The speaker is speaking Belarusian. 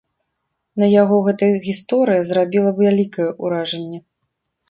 На яго гэта гісторыя зрабіла вялікае ўражанне.